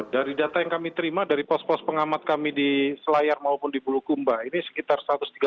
dari data yang kami terima dari pos pos pengamat kami di selayar maupun di bulukumba ini sekitar satu ratus tiga puluh